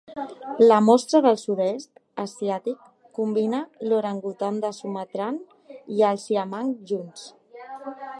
La mostra del sud-est asiàtic combina l'orangutan de Sumatran i el siamang junts.